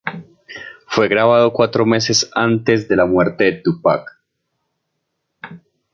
Fue grabado cuatro meses antes de la muerte de Tupac.